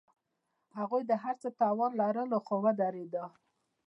هغوی د هر څه توان لرلو، خو ودریدل.